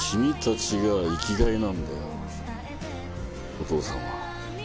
お父さんは。